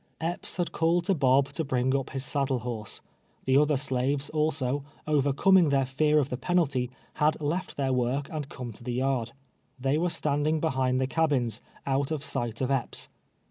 Epps had called to Bob to bring up his saddle horse. Tlie other slaves, also, overcoming their fear of the penalty, had left their work and come to the yard. They were standing behind the cabins, out of sight of Epps.